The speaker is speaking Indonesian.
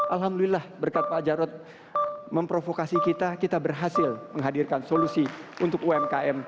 alhamdulillah berkat pak jarod memprovokasi kita kita berhasil menghadirkan solusi untuk umkm